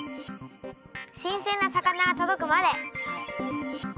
「新鮮な魚がとどくまで」。